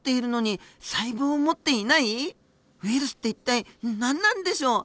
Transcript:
ウイルスって一体何なんでしょう？